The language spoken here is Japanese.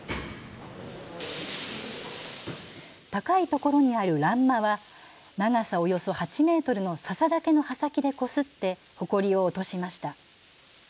高いところにある欄間は長さおよそ８メートルのささ竹の葉先でこすってほこりを落としました。